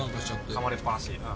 かまれっぱなし。